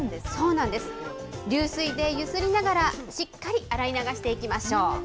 流水でゆすりながら、しっかり洗い流していきましょう。